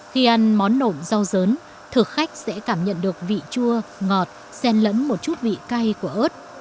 khi ăn món nộm rau dớn thực khách sẽ cảm nhận được vị chua ngọt sen lẫn một chút vị cay của ớt